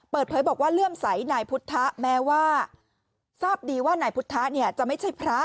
เปิดเผยบอกว่าเลื่อมใสนายพุทธะแม้ว่าทราบดีว่านายพุทธะเนี่ยจะไม่ใช่พระ